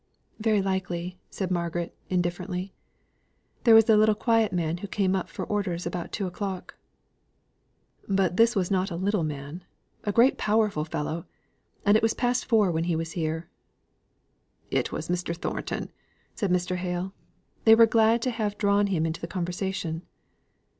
"Very likely," said Margaret indifferently. "There was a little quiet man who came up for orders about two o'clock." "But this was not a little man a great powerful fellow; and it was past four when he was here." "It was Mr. Thornton," said Mr. Hale. They were glad to have drawn him into the conversation.